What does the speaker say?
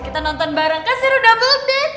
kita nonton bareng kan seru double deh